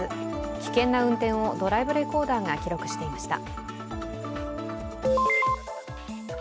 危険な運転をドライブレコーダーが記録していました。